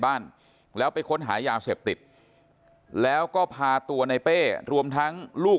บ้านแล้วไปค้นหายาเสพติดแล้วก็พาตัวในเป้รวมทั้งลูก